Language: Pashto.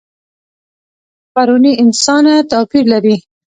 پروني انسانه توپیر لري.